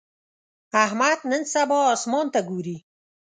احمد نن سبا اسمان ته ګوري.